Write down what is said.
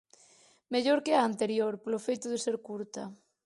Mellor que a anterior, polo feito de ser curta.